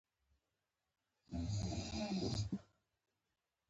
کلي د افغان کلتور په داستانونو کې دي.